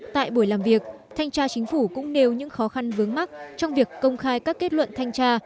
tại buổi làm việc thanh tra chính phủ cũng nêu những khó khăn vướng mắt trong việc công khai các kết luận thanh tra